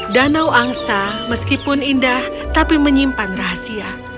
danau angsa meskipun indah tapi menyimpan rahasia